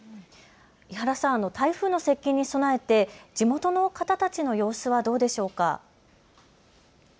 伊原さん、台風の接近に備えて地元の方たちの様子はどうでしょうか。